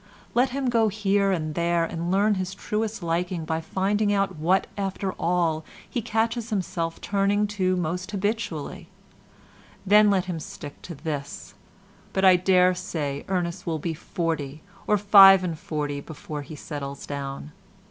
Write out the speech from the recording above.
Let him go here and there, and learn his truest liking by finding out what, after all, he catches himself turning to most habitually—then let him stick to this; but I daresay Ernest will be forty or five and forty before he settles down.